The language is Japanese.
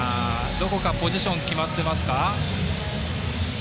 どこかポジション決まってますか？